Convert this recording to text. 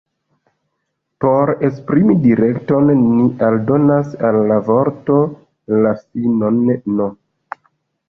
Por esprimi direkton, ni aldonas al la vorto la finon « n ».